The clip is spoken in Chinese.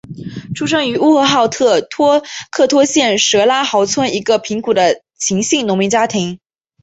出生于呼和浩特市托克托县什拉毫村一个贫苦的秦姓农民家庭。